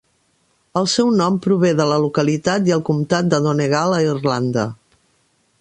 El seu nom prové de la localitat i el comtat de Donegal a Irlanda.